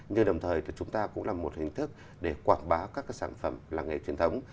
nhưng đồng thời thì chúng ta cũng là một hình thức để quảng bá các sản phẩm làng nghề truyền thống